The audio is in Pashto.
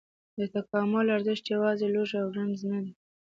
د تکامل ارزښت یواځې لوږه او رنځ نه دی.